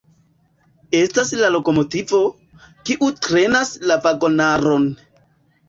Estas la lokomotivo, kiu trenas la vagonaron.